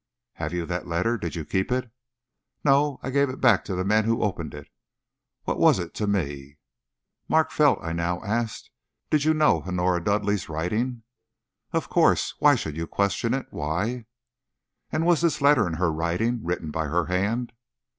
"Have you that letter? Did you keep it?" "No; I gave it back to the men who opened it. What was it to me?" "Mark Felt," I now asked, "did you know Honora Dudleigh's writing?" "Of course. Why should you question it? Why " "And was this letter in her writing? written by her hand?"